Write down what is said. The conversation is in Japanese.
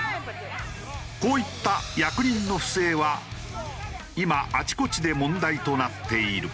こういった役人の不正は今あちこちで問題となっている。